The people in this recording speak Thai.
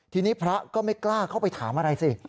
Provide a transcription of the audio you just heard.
ทีนี้พระก็ไม่กล้าเข้าไปถามอะไรสิ